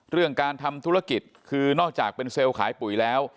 เรื่องการทำธุรกิจคือนอกจากเป็นเซลล์ขายปุ๋ยแล้ว